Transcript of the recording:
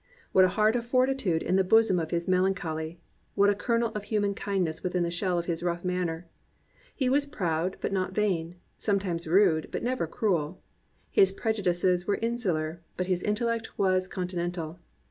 What a heart of fortitude in the bosom of his melancholy, what a kernel of human kindness within the shell of his rough manner ! He was proud but not vain, some times rude but never cruel. His prejudices were insular, but his intellect was continental.